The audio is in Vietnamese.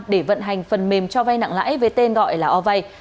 để vận hành phần mềm cho vay nặng lãi với tên gọi là ovay